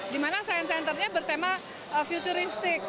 di mana science centernya bertema futuristik